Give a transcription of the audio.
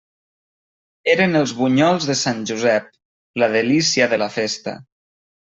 Eren els bunyols de Sant Josep, la delícia de la festa.